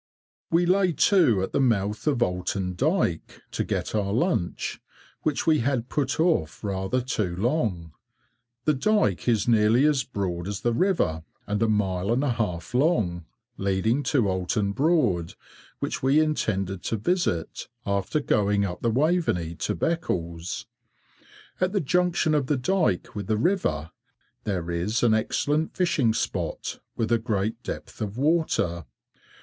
We lay to at the mouth of Oulton dyke, to get our lunch, which we had put off rather too long. The dyke is nearly as broad as the river, and a mile and a half long, leading to Oulton Broad, which we intended to visit, after going up the Waveney to Beccles. At the junction of the dyke with the river there is an excellent fishing spot, with a great depth of water.